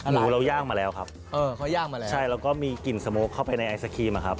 หมูเราย่างมาแล้วครับใช่แล้วก็มีกลิ่นสโมกเข้าไปในไอศกรีมครับ